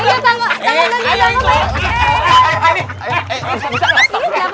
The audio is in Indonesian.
andriwan ke depan